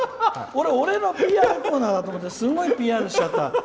俺のＰＲコーナーだと思って、すごいＰＲしちゃった。